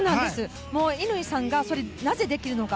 乾さんがそれをなぜできるのか。